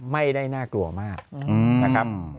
ไม่ได้น่ากลัวมากนะครับ